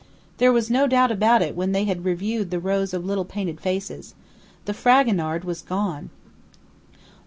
There was no doubt about it when they had reviewed the rows of little painted faces. The Fragonard was gone.